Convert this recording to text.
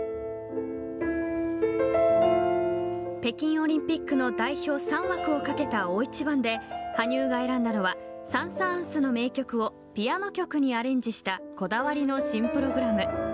北京オリンピックの代表３枠を懸けた大一番で羽生が選んだのはサン・サーンスの名曲をピアノ曲にアレンジしたこだわりの新プログラム。